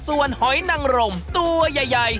ส่วนหอยนังรมตัวใหญ่